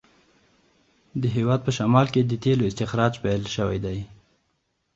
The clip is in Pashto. د هیواد په شمال کې د تېلو استخراج پیل شوی دی.